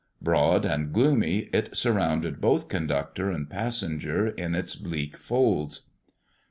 Broad and gloomy, it surrounded both conductor and passenger in its bleak folds.